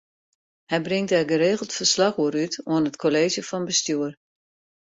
Hy bringt dêr geregeld ferslach oer út oan it Kolleezje fan Bestjoer.